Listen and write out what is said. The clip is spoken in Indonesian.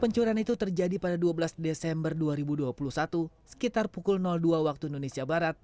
pencurian itu terjadi pada dua belas desember dua ribu dua puluh satu sekitar pukul dua waktu indonesia barat